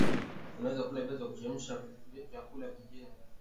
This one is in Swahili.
unaweza kula viazi vya kuchemshwa na vyakula vingine